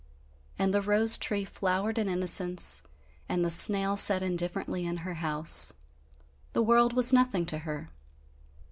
And the rose tree flowered in innocence, and the snail sat indifferently in her house. The world was nothing to her.